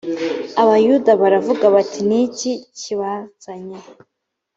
abayuda baravuga bati ni iki kibazanye